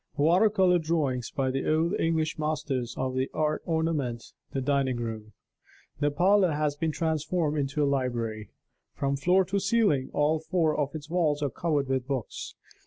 Water color drawings by the old English masters of the art ornament the dining room. The parlor has been transformed into a library. From floor to ceiling all four of its walls are covered with books.